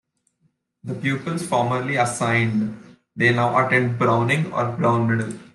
The pupils formerly assigned there now attend Browning or Brown Middle.